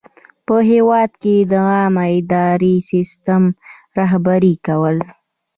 په هیواد کې د عامه اداري سیسټم رهبري کول.